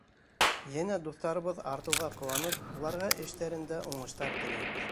Йәнә дуҫтарыбыҙ артыуға ҡыуанып, уларға эштәрендә уңыштар теләйбеҙ.